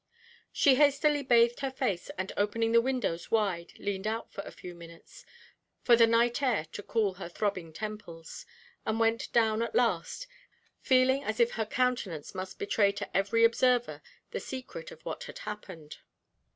She hastily bathed her face, and opening the windows wide, leaned out for a few minutes, for the night air to cool her throbbing temples, and went down at last, feeling as if her countenance must betray to every observer the secret of what had happened.